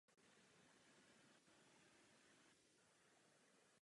Vyskytuje se v okolí rybníků a v podhůří.